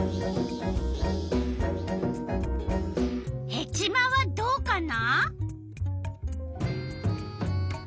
ヘチマはどうかな？